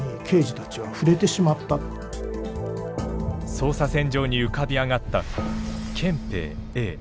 捜査線上に浮かび上がった憲兵Ａ。